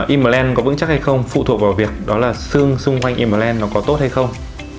implant có vững chắc hay không phụ thuộc vào việc đó là xương xung quanh implant nó có tốt hay không